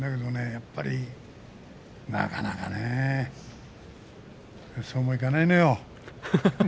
やっぱりなかなかねそうもいかないのよ。